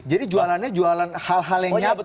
jadi jualannya jualan hal hal yang nyata